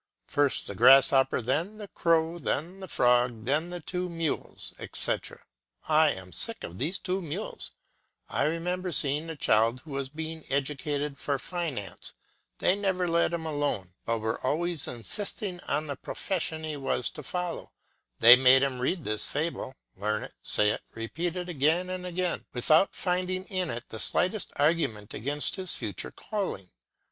First the grasshopper, then the crow, then the frog, then the two mules, etc. I am sick of these two mules; I remember seeing a child who was being educated for finance; they never let him alone, but were always insisting on the profession he was to follow; they made him read this fable, learn it, say it, repeat it again and again without finding in it the slightest argument against his future calling.